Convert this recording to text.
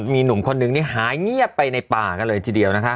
มีหนุ่มคนนึงนี่หายเงียบไปในป่ากันเลยทีเดียวนะคะ